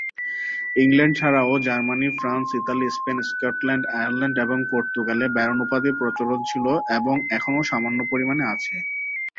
England ছাড়াও Germany, France, Italy, Spain, Scotland, Ireland এবং Portugal এ ব্যারন উপাধির প্রচলন ছিল এবং এখনো সামান্য পরিমাণে আছে।